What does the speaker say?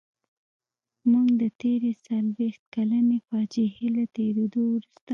موږ د تېرې څلويښت کلنې فاجعې له تېرېدو وروسته.